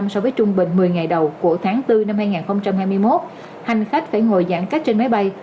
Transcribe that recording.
so với trung bình một mươi ngày đầu của tháng bốn năm hai nghìn hai mươi một hành khách phải ngồi giãn cách trên máy bay